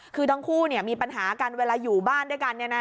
คือทั้งคู่เนี่ยมีปัญหากันเวลาอยู่บ้านด้วยกันเนี่ยนะ